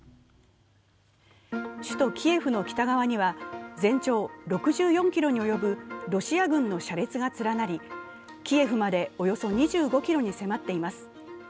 首都キエフの北側には全長６４ｋｍに及ぶロシア軍の車列が連なり、キエフまでおよそ２５ｋｍに迫っています。